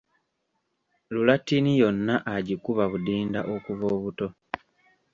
Lulattini yonna agikuba budinda okuva obuto